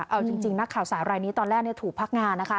เอาจริงนักข่าวสาวรายนี้ตอนแรกถูกพักงานนะคะ